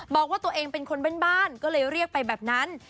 บอกว่าตัวเองเป็นคนบ้านก็เลยเรียกไปแบบนั้น